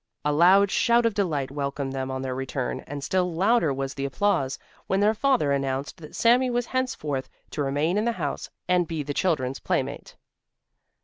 A loud shout of delight welcomed them on their return, and still louder was the applause, when their father announced that Sami was henceforth to remain in the house and be the children's playmate.